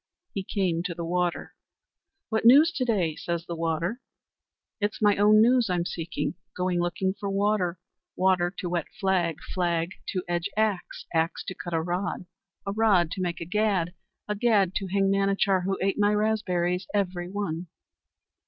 He came to the water. "What news to day?" says the water. "It's my own news I'm seeking. Going looking for water, water to wet flag, flag to edge axe, axe to cut a rod, a rod to make a gad, a gad to hang Manachar, who ate my raspberries every one."